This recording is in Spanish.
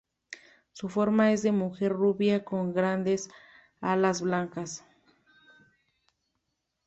Su forma es de una mujer rubia con grandes alas blancas.